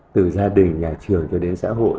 từ gia đình nhà trường cho đến xã hội